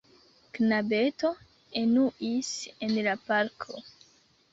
Knabeto enuis en la parko.